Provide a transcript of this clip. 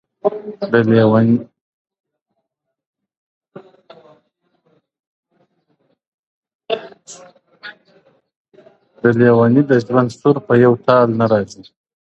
د لېوني د ژوند سُر پر یو تال نه راځي~